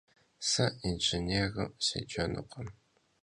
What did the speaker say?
Se yinjjênêru sêcenukhım.